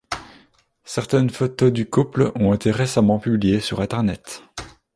Certaines photos du couple ont été récemment publiées sur internet.